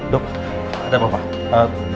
dok ada apa apa